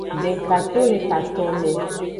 Deka to le katonme.